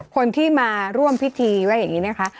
คนที่มาร่วมพิธีว่าอย่างนี้นะคะ